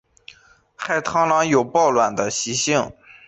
海蟑螂有抱卵的习性。